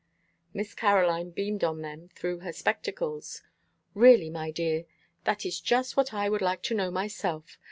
Miss Caroline beamed on them through her spectacles. "Really, my dears, that is just what I would like to know myself.